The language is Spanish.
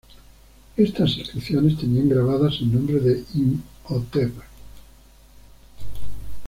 Estas inscripciones tenían grabadas el nombre de Imhotep.